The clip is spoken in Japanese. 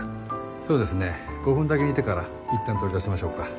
そうですね５分だけ煮てからいったん取り出しましょうか。